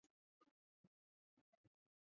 勒梅斯尼吉洛姆。